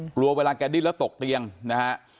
กลัวเวลาแกดิ้นแล้วตกเตียงนะฮะ